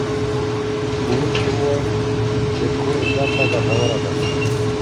ښوونکی وویل چي کور زده کړه ګټوره ده.